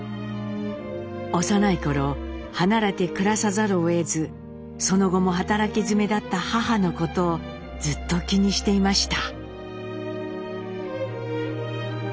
幼い頃離れて暮らさざるをえずその後も働きづめだった母のことをずっと気にしていました。